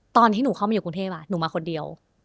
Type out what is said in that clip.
ตอนที่หนูเข้ามาอยู่กรุงเทพหนูมาคนเดียว